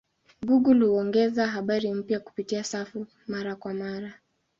Google huongeza habari mpya kupitia safu mara kwa mara.